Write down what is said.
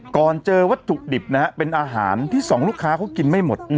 ก่อนเจอวัตถุดิบนะฮะเป็นอาหารที่สองลูกค้าเขากินไม่หมด